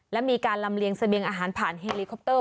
และมีการลำเลียงเสบียงอาหารผ่านเฮลิคอปเตอร์